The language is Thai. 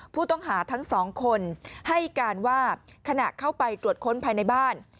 ผู้ต้องหาทั้งสองคนให้การว่าขณะเข้าไปตรวจค้นภายในบ้าน